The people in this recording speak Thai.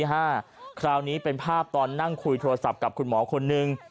โรงพยาบาลแห่งที่๕คราวนี้เป็นภาพตอนนั่งคุยโทรศัพท์กับคุณหมอคนหนึ่ง